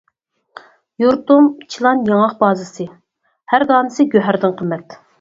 يۇرتۇم چىلان، ياڭاق بازىسى، ھەر دانىسى گۆھەردىن قىممەت.